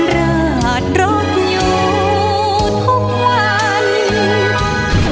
ราดรถอยู่ทุกวัน